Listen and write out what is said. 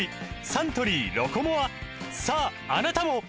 サントリー「ロコモア」さああなたも！